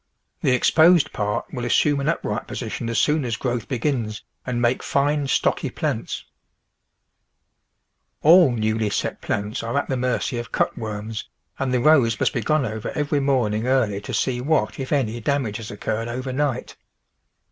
The exposed part will assume an upright position as soon as growth begins and make fine, stocky plants. THE VEGETABLE GARDEN All newly set plants are at the mercy of cut worms, and the rows must be gone over every morning early to see what, if any, damage has oc curred over night.